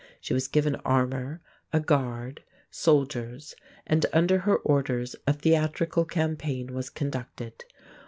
She was given armor, a guard, soldiers, and under her orders a theatrical campaign was conducted.